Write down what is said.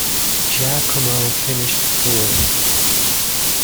Giacomo finished fourth.